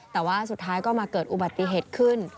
แต่ว่าสุดท้ายก็มาเกิดอุบัติเหตุขึ้น